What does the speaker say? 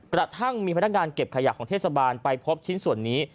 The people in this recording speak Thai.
กระทั่งมีพนักงานเก็บขยะของเทศบาลไปพบชิ้นส่วนนี้